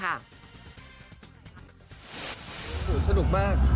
เปลี่ยนถึงแบบสะนุกมาก